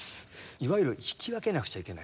いわゆる弾き分けなくちゃいけない。